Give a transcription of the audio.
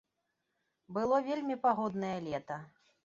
Было вельмі пагоднае лета.